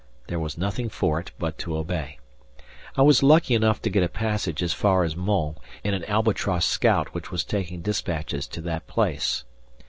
There was nothing for it but to obey. I was lucky enough to get a passage as far as Mons in an albatross scout which was taking dispatches to that place.